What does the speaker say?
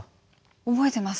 覚えてます。